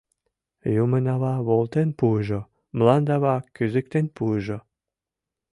Юмынава волтен пуыжо, мландава кӱзыктен пуыжо!